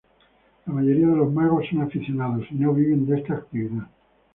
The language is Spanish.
La mayoría de los magos son aficionados y no viven de esta actividad.